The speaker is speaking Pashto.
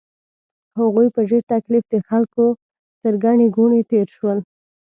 هغوی په ډېر تکلیف د خلکو تر ګڼې ګوڼې تېر شول.